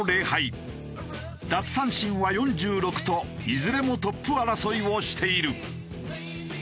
奪三振は４６といずれもトップ争いをしている。